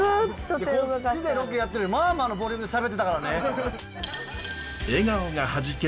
こっちでロケやってるのにまあまあのボリュームでしゃべってたからね。